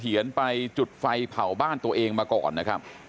เพื่อปลอดภัยจุดไฟเผาบ้านตัวเองมาก่อนนะครับ